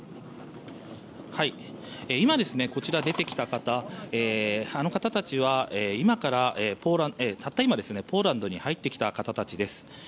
今、出てきた方たちはたった今ポーランドに入ってきた方たちです。